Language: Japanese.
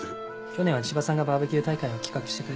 去年は千葉さんがバーベキュー大会を企画してくれたんだ。